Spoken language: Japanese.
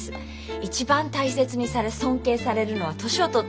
一番大切にされ尊敬されるのは年を取った人なんです。